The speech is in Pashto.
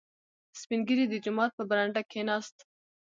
• سپین ږیری د جومات په برنډه کښېناست.